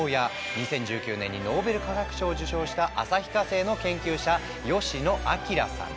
２０１９年にノーベル化学賞を受賞した旭化成の研究者吉野彰さん。